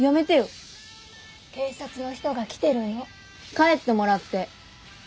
帰ってもらって。